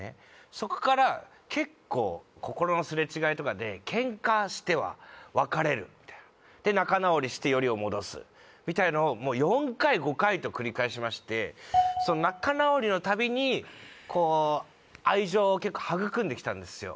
そこから結構心のすれ違いとかでケンカしては別れるみたいなで仲直りしてよりを戻すみたいのをもう４回５回と繰り返しまして仲直りのたびに愛情を結構育んできたんですよ